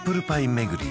巡り